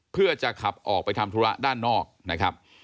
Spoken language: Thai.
เพื่อจะขับออกไปทำธุระด้านนอกนะครับ